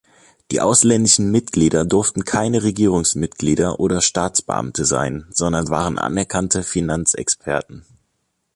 Die ausländischen Mitglieder durften keine Regierungsmitglieder oder Staatsbeamte sein, sondern waren anerkannte Finanzexperten.